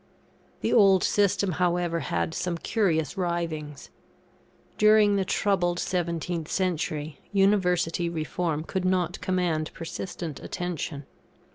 The old system, however, had some curious writhings. During the troubled 17th century, University reform could not command persistent attention.